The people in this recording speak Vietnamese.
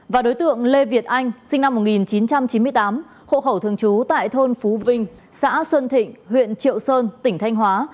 và đối tượng lê việt anh sinh năm một nghìn chín trăm chín mươi tám hộ khẩu thường trú tại thôn phú vinh xã xuân thịnh huyện triệu sơn tỉnh thanh hóa